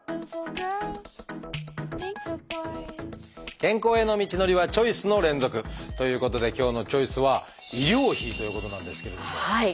健康への道のりはチョイスの連続！ということで今日の「チョイス」は「医療費」ということなんですけれども。